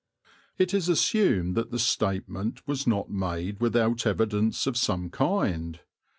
It is assumed that the statement was not made without evidence of some kind.